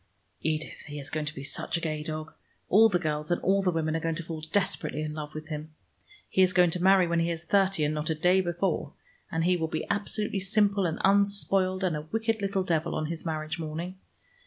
Edith, he is going to be such a gay dog! All the girls and all the women are going to fall desperately in love with him. He is going to marry when he is thirty, and not a day before, and he will be absolutely simple and unspoiled and a wicked little devil on his marriage morning.